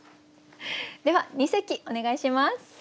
では二席お願いします。